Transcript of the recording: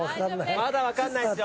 まだわかんないですよ。